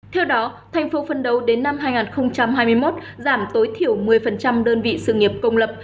theo đó tp hcm đến năm hai nghìn hai mươi một giảm tối thiểu một mươi đơn vị sự nghiệp công lập